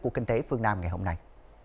của kinh tế phương nam ngày hôm nay